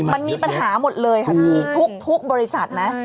มันมีปัญหาหมดเลยค่ะพี่ทุกบริษัทนะ